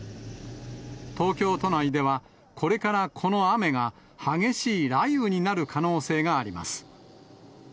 東京都内では、これからこの雨が激しい雷雨になる可能性があります。